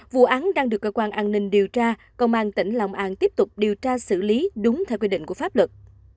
vụ án đang được cơ quan an ninh điều tra công an tỉnh long an tiếp tục điều tra xử lý đúng theo quy định của pháp luật